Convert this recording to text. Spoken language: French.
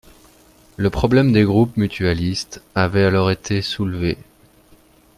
Le problème des groupes mutualistes avait alors été soulevé.